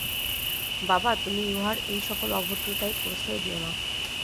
বাবা, তুমি উহার এইসকল অভদ্রতায় প্রশ্রয় দিয়ো না।